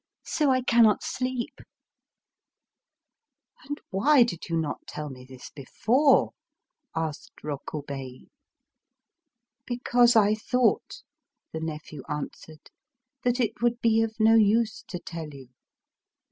So I cannot sleep. ... "And why did you not tell me this before?" asked Rokubei. "Because I thought," the nephew answered, "that it would be of no use to tell you.